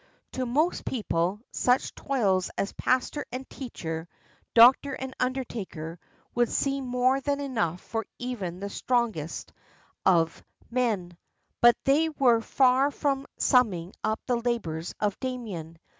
To most people such toils as pastor and teacher, doctor and undertaker, would seem more than enough for even the strongest of 531 ISLANDS OF THE PACIFIC men. But they were far from summing up the labors of Damien.